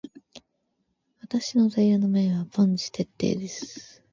私の座右の銘は凡事徹底です。